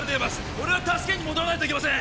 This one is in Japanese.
俺は助けに戻らないといけません